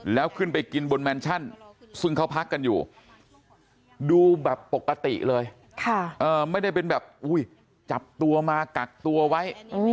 แล้วขึ้นไปกินบนแมนชั่นซึ่งเขาพักกันอยู่ดูแบบปกติเลยไม่ได้เป็นแบบจับตัวมากักตัวไว้